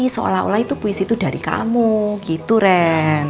seolah olah itu puisi itu dari kamu gitu ren